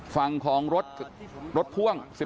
ฝั่งของรถพ่วง